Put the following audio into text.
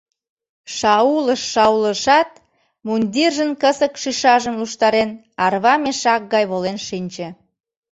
Шаулыш-шаулышат, мундиржын кысык шӱшажым луштарен, арва мешак гай волен шинче.